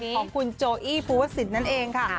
ของคุณโจอี้ภูวศิษย์นั่นเองค่ะ